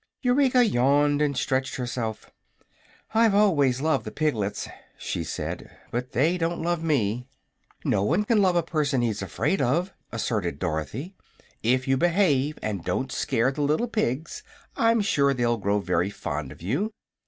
Eureka yawned and stretched herself. "I've always loved the piglets," she said; "but they don't love me." "No one can love a person he's afraid of," asserted Dorothy. "If you behave, and don't scare the little pigs, I'm sure they'll grow very fond of you."